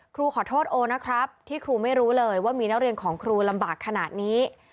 ครูขอโทษโอนะครับที่ครูไม่รู้เลยว่ามีนักเรียนของครูลำบากขนาดนี้